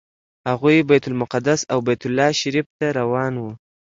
هغوی بیت المقدس او بیت الله شریف ته روان وو.